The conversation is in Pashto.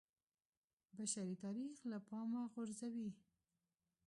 بشري تاریخ له پامه غورځوي